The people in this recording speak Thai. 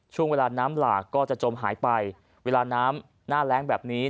ช่วงเวลาน้ำหลากก็จะจมหายไปเวลาน้ำหน้าแรงแบบนี้